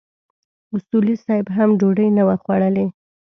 اصولي صیب هم ډوډۍ نه وه خوړلې.